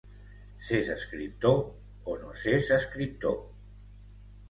S'és escriptor o no s'és escriptor.